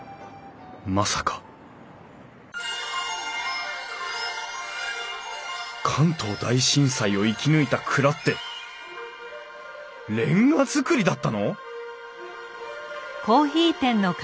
まさか関東大震災を生き抜いた蔵って煉瓦造りだったの！？